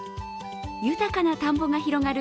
豊かな田んぼが広がる